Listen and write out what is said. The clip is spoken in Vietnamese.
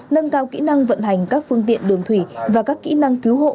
nâng cao kỹ năng vận hành các phương tiện đường thủy và các kỹ năng cứu hộ